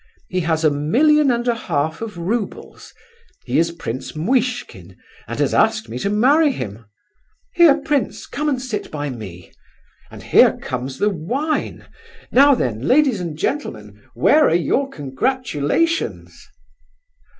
He has a million and a half of roubles; he is Prince Muishkin, and has asked me to marry him. Here, prince, come and sit by me; and here comes the wine. Now then, ladies and gentlemen, where are your congratulations?"